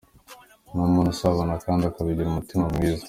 Ni umuntu usabana kandi akagira umutima mwiza.